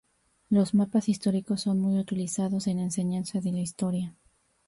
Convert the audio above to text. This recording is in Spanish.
Los mapas históricos son muy utilizados en la enseñanza de la historia.